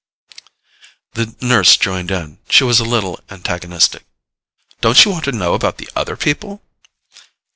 The nurse joined in. She was a little antagonistic. "Don't you want to know about the other people?"